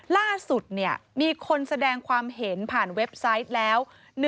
ล่าสุดมีคนแสดงความเห็นผ่านเว็บไซต์แล้ว